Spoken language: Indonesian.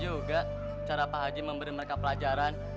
juga cara pak haji memberi mereka pelajaran